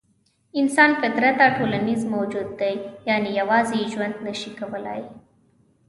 انسان فطرتاً ټولنیز موجود دی؛ یعنې یوازې ژوند نه شي کولای.